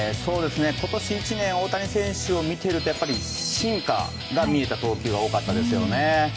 今年１年大谷選手を見ているとやっぱり進化が見えた投球が多かったですよね。